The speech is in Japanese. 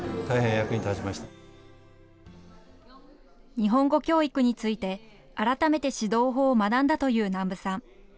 日本語教育について改めて指導法を学んだという南部さん。